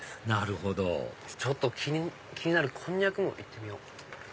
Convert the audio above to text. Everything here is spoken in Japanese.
なるほどちょっと気になるこんにゃくも行ってみよう。